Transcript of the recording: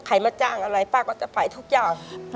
มาจ้างอะไรป้าก็จะไปทุกอย่าง